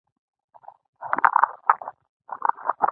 د سند درې خلکو د اوبو لګولو سیستم درلود.